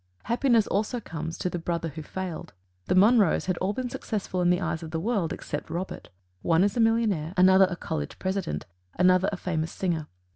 Happiness also comes to "The Brother who Failed." The Monroes had all been successful in the eyes of the world except Robert: one is a millionaire, another a college president, another a famous singer.